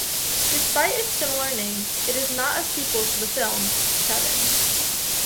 Despite its similar name, it is not a sequel to the film "Seven".